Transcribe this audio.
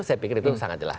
saya pikir itu sangat jelas